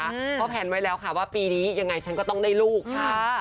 เพราะแผนไว้แล้วค่ะว่าปีนี้ยังไงฉันก็ต้องได้ลูกค่ะ